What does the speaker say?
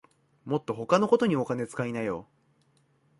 もっと他のことにお金つかいなよ